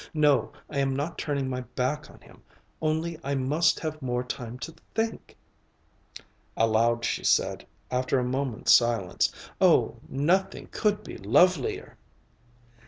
No, I am not turning my back on him. Only I must have more time to think " Aloud she said, after a moment's silence, "Oh, nothing could be lovelier!"